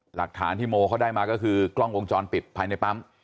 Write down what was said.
หลักฐานที่โมเขาได้มาก็คือกล้องวงจรปิดภายในปั๊ม